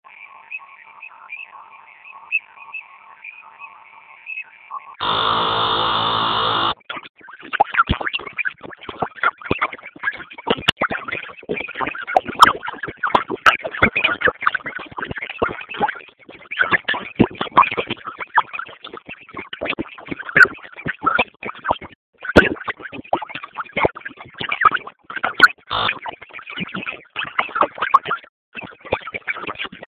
ukanda huu una mvua kubwa sana